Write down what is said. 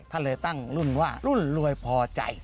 ท่านเลยตั้งรุ่นว่ารุ่นรวยพอใจ